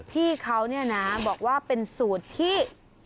พี่เขาเนี่ยนะบอกว่าเป็นสูตรที่